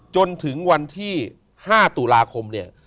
จนถึงวันที่๕ตุลาคมเนี่ย